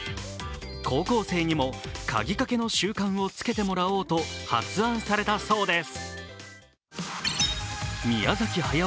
高校生にも鍵かけの習慣をつけてもらおうと発案されたそうです。